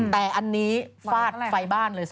แต่อันนี้ฟาดไฟบ้านเลย